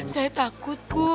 saya takut bu